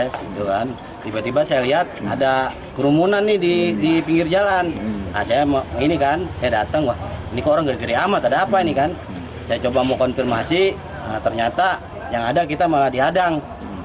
saya lihat mau konfirmasi ternyata yang ada kita malah dihadang